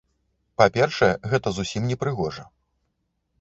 Па-першае, гэта зусім непрыгожа.